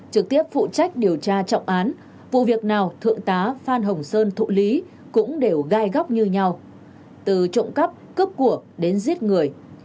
trực tiếp phụ trách điều tra trọng án vụ việc nào thượng tá phan hồng sơn thụ lý cũng đều gai góc như nhau từ trộm cắp cướp của đến giết người